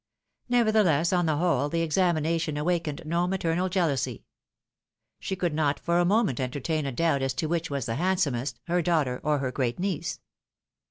Nevertheless, on the whole, the examination awakened no maternal jealousy. She could not for a moment entertain a doubt as to which was the handsomest, her daughter, or her great niece.